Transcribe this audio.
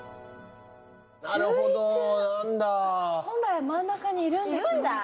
本来は真ん中にいるんですね。